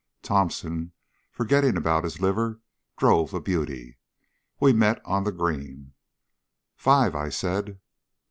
Thomson, forgetting about his liver, drove a beauty. We met on the green. "Five," I said.